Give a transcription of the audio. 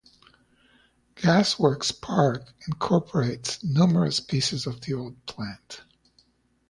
Gas Works Park incorporates numerous pieces of the old plant.